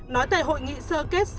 nói tại hội nghị sơ kết